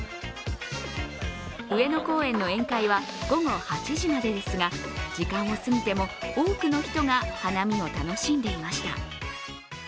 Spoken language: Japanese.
上の公園の宴会は午後８時までですが、時間を過ぎても、多くの人が花見を楽しんでいました。